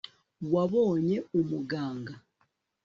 wabonye umuganga